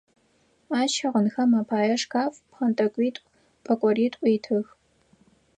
Ащ щыгъынхэм апае шкаф, пкъэнтӏэкӏуитӏу, пӏэкӏоритӏу итых.